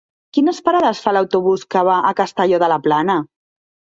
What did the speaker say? Quines parades fa l'autobús que va a Castelló de la Plana?